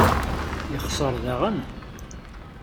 Yexser daɣen?